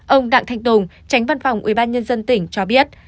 ông đặng thanh tùng tránh văn phòng ubnd tỉnh cho biết